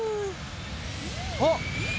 あっ！